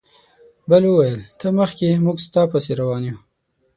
بل وویل ته مخکې موږ ستا پسې روان یو.